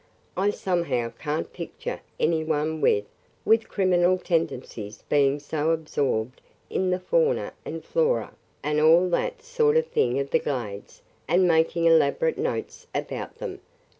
I somehow can't picture any one with – with criminal tendencies being so absorbed in the fauna and flora and all that sort of thing of the Glades and making elaborate notes about them.